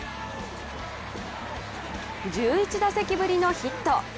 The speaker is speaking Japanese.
１１打席ぶりのヒット。